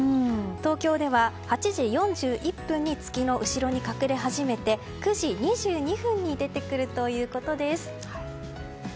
東京では、８時４１分に月の後ろに隠れ始めて９時２２分に出てくるということです。